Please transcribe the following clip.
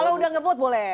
kalau udah ngevote boleh